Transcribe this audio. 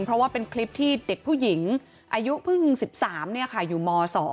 เพราะว่าเป็นคลิปที่เด็กผู้หญิงอายุเพิ่ง๑๓อยู่ม๒